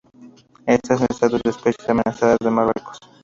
Está en estatus de especie amenazada en Marruecos.